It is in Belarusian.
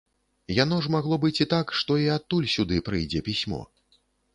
Яно ж магло быць і так, што і адтуль сюды прыйдзе пісьмо.